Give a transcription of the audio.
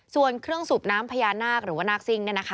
ส่วนเครื่องสูบน้ำพญานาคหรือว่านาคซิ่ง